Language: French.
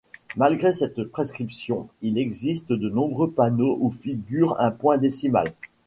Malgré cette prescription, il existe de nombreux panneaux où figure un point décimal.